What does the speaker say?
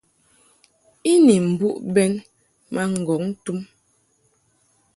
I ni mbuʼ bɛn ma ŋgɔŋ tum.